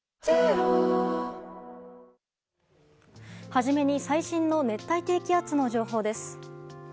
初めに最新の熱帯低気圧の情報です。